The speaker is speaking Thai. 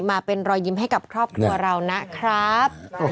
มาเป็นรอยยิ้มให้กับครอบครัวเรานะครับ